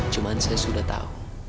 cuman saya sudah tau